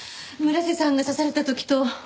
村瀬さんが刺された時と。